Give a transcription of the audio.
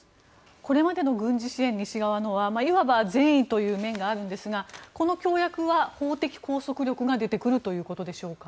これまでの軍事支援西側のはいわば善意という面があるんですがこの協約は法的拘束力が出てくるということでしょうか。